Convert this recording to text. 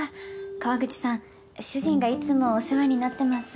河口さん主人がいつもお世話になってます。